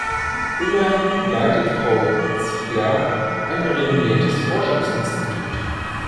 Immerhin leitet Frau Ziegler ein renommiertes Forschungsinstitut.